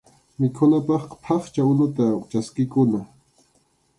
Mikhunapaqqa phaqcha unuta chaskikuna.